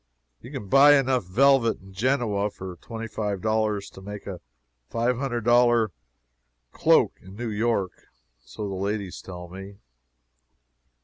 You can buy enough velvet in Genoa for twenty five dollars to make a five hundred dollar cloak in New York so the ladies tell me.